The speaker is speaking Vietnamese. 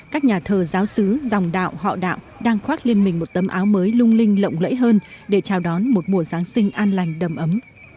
các nhà thờ giáo sứ dòng đạo họ đạo đang khoác lên mình một tấm áo mới lung linh lộng lẫy hơn để chào đón một mùa giáng sinh an lành đầm ấm